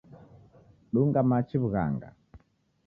Dunga machi w'ughanga.